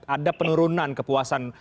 ada penurunan kepuasan